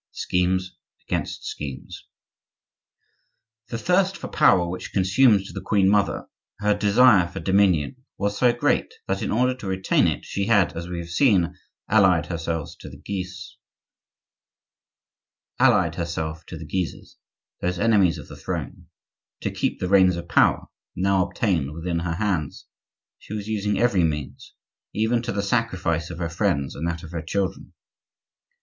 SCHEMES AGAINST SCHEMES The thirst for power which consumed the queen mother, her desire for dominion, was so great that in order to retain it she had, as we have seen, allied herself to the Guises, those enemies of the throne; to keep the reins of power, now obtained, within her hands, she was using every means, even to the sacrifice of her friends and that of her children.